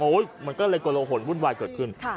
โอ๊ยมันก็เลยกระโลหงศ์วุ่นวายเกิดขึ้น